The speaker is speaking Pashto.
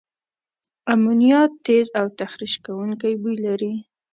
امونیا تیز او تخریش کوونکي بوی لري.